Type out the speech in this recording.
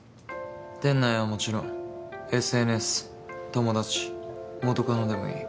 店内はもちろんＳＮＳ友達元カノでもいい。